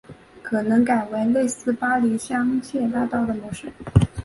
可能改为类似巴黎香榭大道的模式